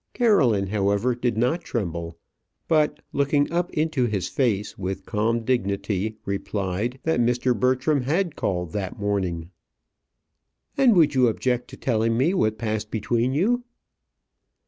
Caroline, however, did not tremble; but looking up into his face with calm dignity replied, that Mr. Bertram had called that morning. "And would you object to telling me what passed between you?"